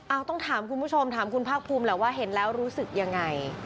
เอาต้องถามคุณผู้ชมถามคุณภาคภูมิแหละว่าเห็นแล้วรู้สึกยังไง